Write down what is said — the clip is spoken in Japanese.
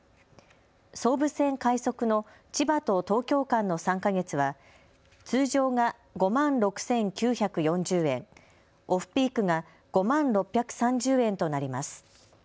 総武線・快速の千葉と東京間の３か月は通常が５万６９４０円、オフピークが５万６３０円となります。